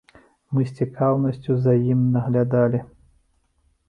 Мы з цікаўнасцю за ім наглядалі.